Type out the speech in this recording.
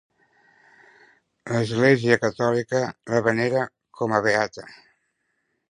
L'Església catòlica la venera com a beata.